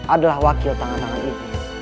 adalah wakil tangan tangan itu